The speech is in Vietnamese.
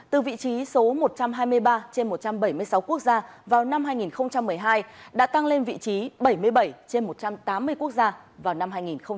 từ vị trí số một trăm hai mươi ba trên một trăm bảy mươi sáu quốc gia vào năm hai nghìn một mươi hai đã tăng lên vị trí bảy mươi bảy trên một trăm tám mươi quốc gia vào năm hai nghìn một mươi sáu